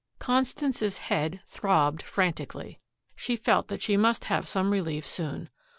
Constance's head throbbed frantically. She felt that she must have some relief soon.